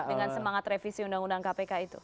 dengan semangat revisi undang undang kpk itu